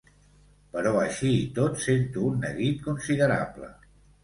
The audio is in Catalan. Però així i tot sento un neguit considerable.